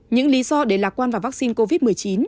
những lý do để lạc quan vào vaccine covid một mươi chín